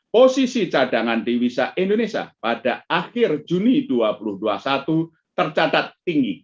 posisi cadangan dewisa indonesia pada akhir juni dua ribu dua puluh satu tercatat tinggi